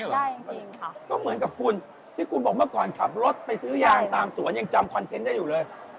ใช่จริงค่ะก็เหมือนกับคุณที่คุณบอกเมื่อก่อนขับรถไปซื้อยางตามสวนยังจำคอนเทนต์ได้อยู่เลย